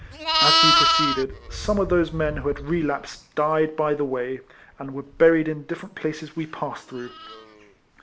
As we proceeded, some of those men who had relapsed died by the way, and were buried in different places we passed through.